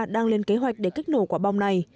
đang lên kế hoạch để kích nổ quả bom này